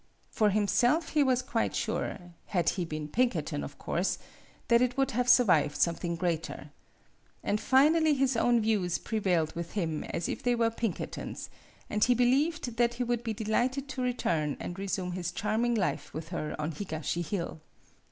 For him self, he was quite sure had he been Pinker ton, of course that it would have survived something greater. And finally his own views prevailed with him as if they were Pinkerton's, and he believed that he would be delighted to return and resume his charm ing life with her on Higashi Hill.